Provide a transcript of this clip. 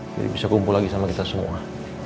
jadi bisa kumpul lagi sama kita semua